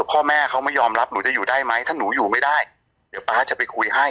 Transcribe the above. พ่อแม่เขาไม่ยอมรับหนูจะอยู่ได้ไหมถ้าหนูอยู่ไม่ได้เดี๋ยวป๊าจะไปคุยให้